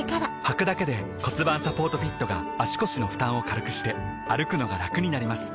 はくだけで骨盤サポートフィットが腰の負担を軽くして歩くのがラクになります